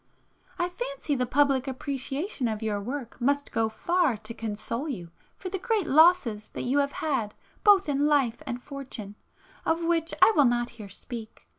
I fancy the public appreciation of your work must go far to console you for the great losses you have had both in life and fortune, of which I will not here speak.